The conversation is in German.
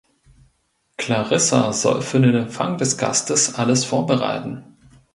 Clarissa soll für den Empfang des Gastes alles vorbereiten.